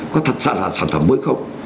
có thật ra là sản phẩm mới không